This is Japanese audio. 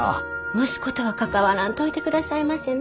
息子とは関わらんといてくださいませね。